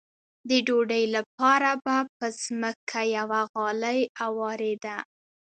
د ډوډۍ لپاره به په ځمکه یوه غالۍ اوارېده.